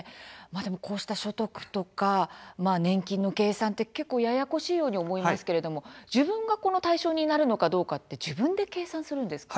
こうした所得とか年金の計算って結構ややこしいように思いますけれども自分が、この対象になるのかどうかって自分で計算するんですか？